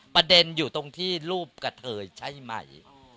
ประเด็นอยู่ตรงที่รูปกระเทยใช่ไหม